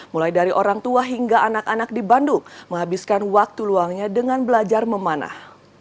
mulai dari orang tua hingga anak anak di bandung menghabiskan waktu luangnya dengan belajar memanah